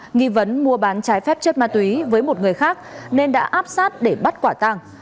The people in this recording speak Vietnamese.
nghi vấn mua bán trái phép chất ma túy với một người khác nên đã áp sát để bắt quả tàng